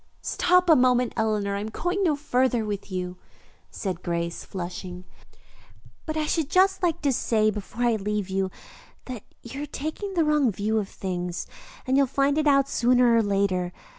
"Stop a moment, Eleanor. I am going no farther with you," said Grace, flushing, "but I should just like to say before I leave you that you are taking the wrong view of things, and you'll find it out sooner or later.